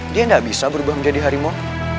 dia tidak bisa berubah menjadi harimau